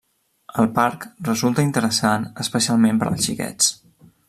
El parc resulta interessant especialment per als xiquets.